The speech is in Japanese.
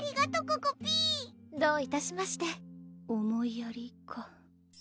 ここぴーどういたしまして思いやりか